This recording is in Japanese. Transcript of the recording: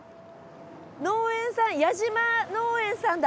農園さん矢島農園さんだ。